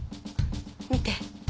見て。